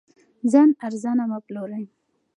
ځان ارزانه مه پلورئ.